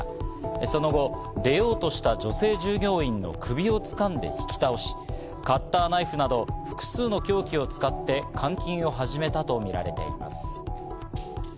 その後、出ようとした女性従業員の首を掴んで引き倒し、カッターナイフなど複数の凶器を使って監禁を始めたとみられています。